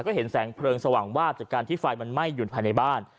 ก็เห็นแสงเพลิงสว่างวาบจากการที่ไฟมันไหม้อยู่ภายในบ้าน